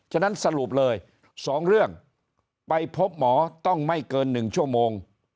ฉะนั้นสรุปเลย๒เรื่องไปพบหมอต้องไม่เกิน๑ชั่วโมง